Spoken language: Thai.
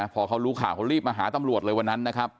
พอเขารู้ข่าวเขารีบมาหาตำรวจเลยวันนั้นนะครับ